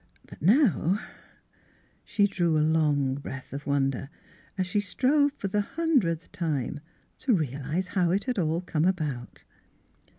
... But now, — she drew a long breath of wonder, as she strove for the hundredth time to realize how it had all come about.